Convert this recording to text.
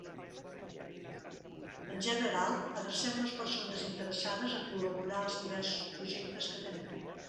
En general, adrecem les persones interessades a col·laborar als diversos projectes que tenim.